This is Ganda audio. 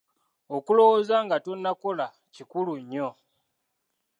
Okulowooza nga tonnakola kikulu nnyo.